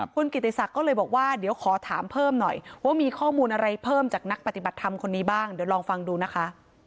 คุณกิติศักดิ์ก็เลยบอกว่าเดี๋ยวขอถามเพิ่มหน่อยว่ามีข้อมูลอะไรเพิ่มจากนักปฏิบัติธรรมคนนี้บ้างเดี๋ยวลองฟังดูนะคะ